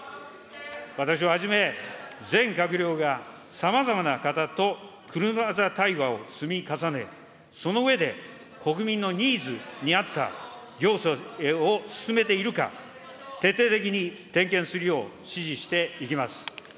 私をはじめ、全閣僚がさまざまな方と車座対話を積み重ね、その上で、国民のニーズに合った行政を進めているか、徹底的に点検するよう指示していきます。